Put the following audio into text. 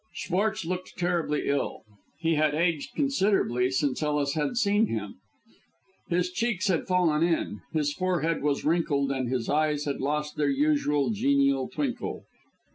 Schwartz looked terribly ill. He had aged considerably since Ellis had seen him. His cheeks had fallen in, his forehead was wrinkled, and his eyes had lost their usual genial twinkle.